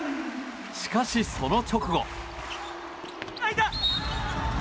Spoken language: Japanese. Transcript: しかし、その直後。